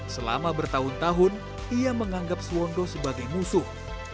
selama bertahun tahun ia menganggap sewondo sebagai musuh